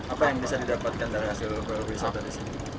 apa yang bisa didapatkan dari hasil perwisata di sini